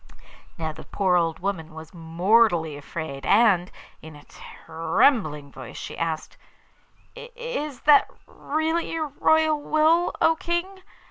Now the poor old woman was mortally afraid and, in a trembling voice she asked: 'Is that really your royal will, O King?